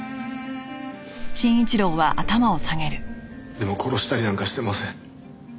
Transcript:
でも殺したりなんかしてません。